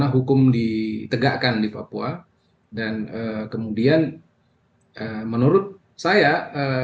bahwa problemnya adalah kejadilan dan satu lainnya adalah kejadilan dan satu lainnya adalah